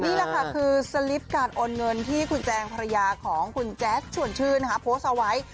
นี่แหละค่ะคือสลิปการโอนเงินที่คุณแจงภรรยาของคุณแจ๊สชวนชื่นนะคะโพสต์เอาไว้